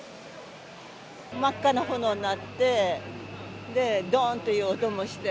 真っ赤な炎になって、どーんという音もして。